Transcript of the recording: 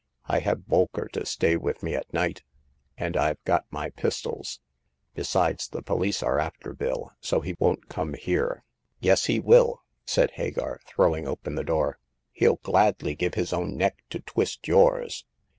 " I have Bolker to stay with me at night, and I've got my pistols. Be sides, the police are after Bill, so he won't come here." "Yes, he will," said Hagar, throwing open the door ;" he'll gladly give his own neck to twist yours.